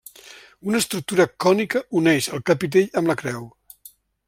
Una estructura cònica uneix el capitell amb la creu.